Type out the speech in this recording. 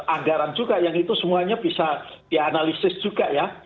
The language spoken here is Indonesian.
anggaran juga yang itu semuanya bisa dianalisis juga ya